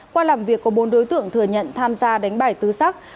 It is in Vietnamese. qua làm việc có bốn đối tượng thừa nhận tham gia đánh bài tứ sắc